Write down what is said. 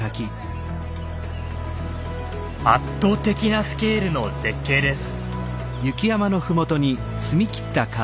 圧倒的なスケールの絶景です。